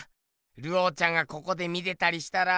ルオーちゃんがここで見てたりしたら。